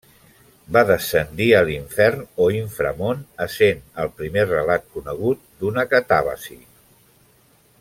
Va descendir a l'infern o inframón, essent el primer relat conegut d'una catàbasi.